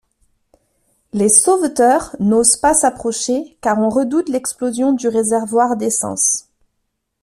Les sauveteurs n’osent pas s’approcher, car on redoute l’explosion du réservoir d’essence.